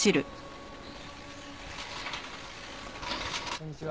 こんにちは。